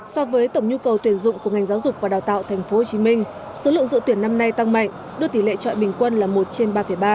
so với tổng nhu cầu tuyển dụng của ngành giáo dục và đào tạo tp hcm số lượng dự tuyển năm nay tăng mạnh đưa tỷ lệ trọi bình quân là một trên ba ba